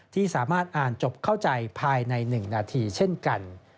ที่สามารถอ่านจบเข้าใจภายใน๑นาทีเช่นกัน